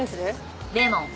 レモン。